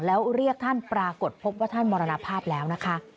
แล้วเรียกท่านปรากฏพบว่าท่านมรณภาพแล้วนะคะ